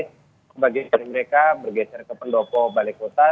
sebagian dari mereka bergeser ke pendopo balai kota